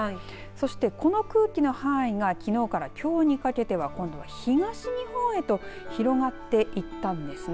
そしてこの空気の範囲がきのうからきょうにかけては今度は東日本へと広がっていったんですね。